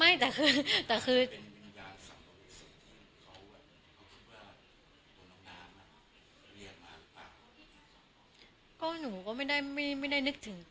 เป็นวิญญาณสังหมุตที่เค้าคิดว่าคอยนำน้ำมาก็เรียกหรือเปล่า